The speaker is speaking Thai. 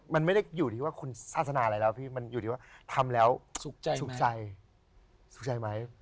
มันไม่ได้อยู่ที่ว่าคุณศาสนาอะไรแล้วพี่มันอยู่ที่ว่าทำแล้วสุขใจสุขใจไหม